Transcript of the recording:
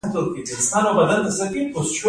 د هرات تاریخي ځایونه ډیر دي